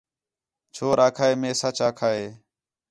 چھور آکھا ہِِے مے سچ آکھا ہِے